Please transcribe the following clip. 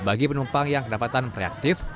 bagi penumpang yang kedapatan reaktif